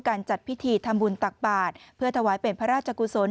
จัดพิธีทำบุญตักบาทเพื่อถวายเป็นพระราชกุศล